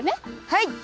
はい！